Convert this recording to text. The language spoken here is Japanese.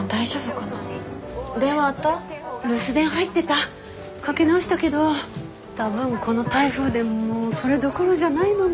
かけ直したけど多分この台風でもうそれどころじゃないのね。